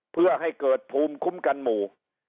เพื่อให้เกิดภูมิคุ้มกันหมู่